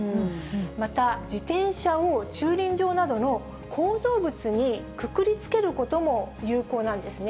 また、自転車を駐輪場などの構造物にくくりつけることも有効なんですね。